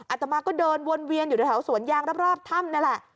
อาตมาก็เดินวนเวียนอยู่ในแถวสวนยางรอบถ้ำนั่นแหละ